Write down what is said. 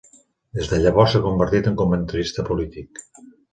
Des de llavors s'ha convertit en comentarista polític.